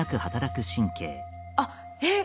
あっえっ